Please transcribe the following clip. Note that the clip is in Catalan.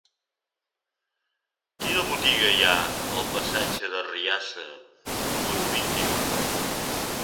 Quina botiga hi ha al passatge d'Arriassa número vint-i-u?